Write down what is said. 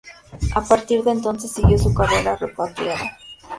A partir de entonces siguió su carrera repatriado.